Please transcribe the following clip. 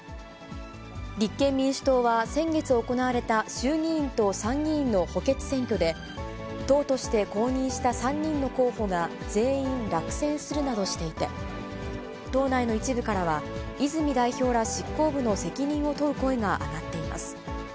立憲民主党は、先月行われた衆議院と参議院の補欠選挙で、党として公認した３人の候補が全員落選するなどしていて、党内の一部からは、泉代表ら執行部の責任を問う声が上がっています。